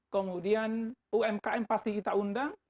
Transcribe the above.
kemudian umkm pasti kita undang